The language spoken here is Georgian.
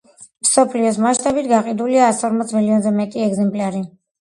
მსოფლიოს მასშტაბით გაყიდულია ასორმოც მილიონზე მეტი ეგზემპლარი